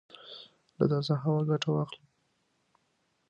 له تازه هوا ګټه واخله